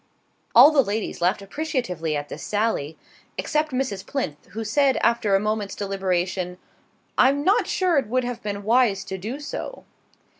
All the ladies laughed appreciatively at this sally, except Mrs. Plinth, who said, after a moment's deliberation: "I'm not sure it would have been wise to do so."